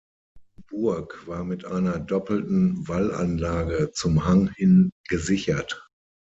Die Burg war mit einer doppelten Wallanlage zum Hang hin gesichert.